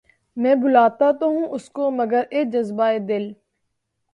میں بلاتا تو ہوں اس کو مگر اے جذبہ ِ دل